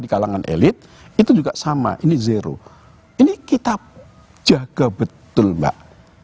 di kalangan elit itu juga sama ini zero ini kita jaga betul mbak